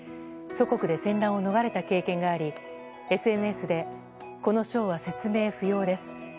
祖国で戦乱を逃れた経験がありＳＮＳでこのショーは説明不要です。